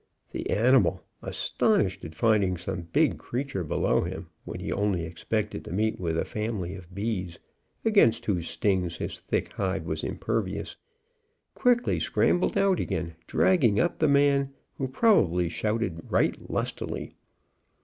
The animal, astonished at finding some big creature below him, when he only expected to meet with a family of bees, against whose stings his thick hide was impervious, quickly scrambled out again, dragging up the man, who probably shouted right lustily.